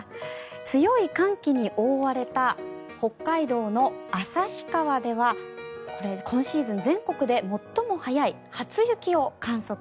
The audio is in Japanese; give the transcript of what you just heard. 強い寒気に覆われた北海道の旭川ではこれ、今シーズン全国で最も早い初雪を観測。